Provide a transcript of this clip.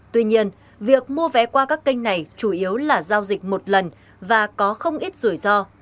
tuy nhiên việc mua vé qua các kênh này chủ yếu là giao dịch một lần và có không ít rủi ro